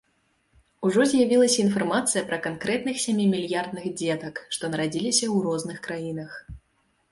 Ужо з'явілася інфармацыя пра канкрэтных сямімільярдных дзетак, што нарадзіліся ў розных краінах.